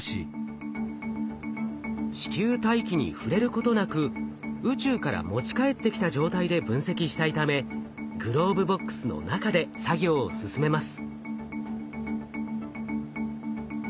地球大気に触れることなく宇宙から持ち帰ってきた状態で分析したいためグローブボックスの中で作業を進めます。